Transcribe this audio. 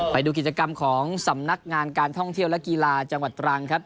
ไปดูกิจกรรมของสำนักงานการท่องเที่ยวและกีฬาจังหวัดตรังครับ